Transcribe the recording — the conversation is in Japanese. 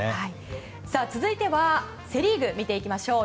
続いてはセ・リーグ見ていきましょう。